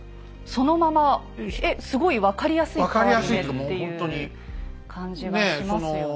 そのままえっすごい分かりやすい変わり目っていう感じがしますよね。